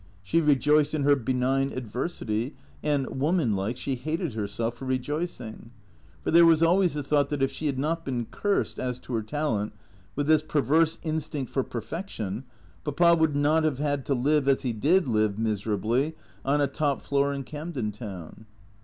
She rejoiced in her benign adversity, and woman like, she hated herself for rejoicing. For there was always the thought that if she had not been cursed, as to her talent, with this perverse instinct for perfection, Papa would not have had to live, as he did live, miserably, on a top floor in Camden Town.